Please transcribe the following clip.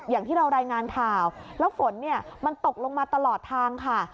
อย่างที่เรารายงานข่าวแล้วฝนเนี่ยมันตกลงมาตลอดทางค่ะ